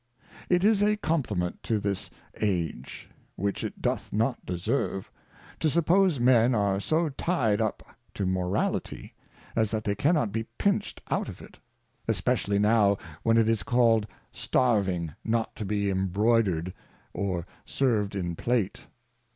It is a Compliment to this Age, which it doth not deserve, to suppose Men are so ty'd up to Morality, as that they cannot be pinched out of it : especially now when it is called Starving not to be Embroidered, or served in Plate.